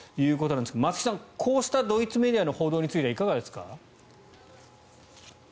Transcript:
松木さん、こうしたドイツメディアの報道についてはいかがですか？